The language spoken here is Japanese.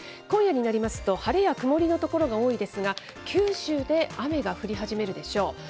今夜になりますと、晴れや曇りの所が多いですが、九州で雨が降り始めるでしょう。